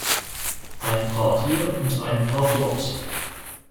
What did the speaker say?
Ein paar hier und ein paar dort.